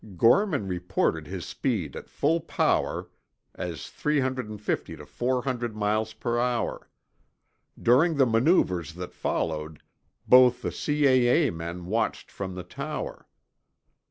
Gorman reported his speed at full power as 350 to 400 miles per hour. During the maneuvers that followed, both the C.A.A. men watched from the tower.